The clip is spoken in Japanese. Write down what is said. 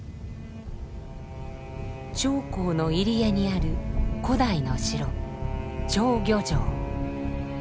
長江の入り江にある古代の城釣魚城。